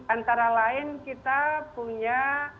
antara lain kita punya